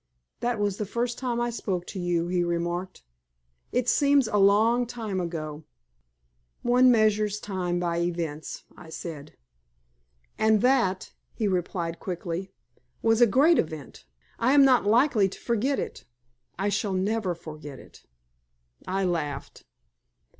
"That was the first time I spoke to you," he remarked. "It seems a long time ago." "One measures time by events," I said. "And that," he replied, quickly, "was a great event. I am not likely to forget it. I shall never forget it." I laughed.